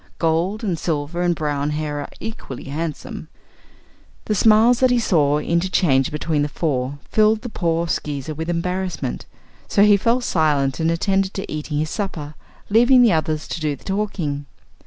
Gold and silver and brown hair are equally handsome." The smiles that he saw interchanged between the four filled the poor Skeezer with embarrassment, so he fell silent and attended to eating his supper, leaving the others to do the talking.